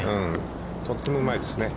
とってもうまいですね。